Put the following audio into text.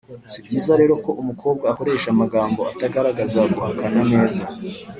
si byiza rero ko umukobwa akoresha amagambo atagaragaza guhakana neza.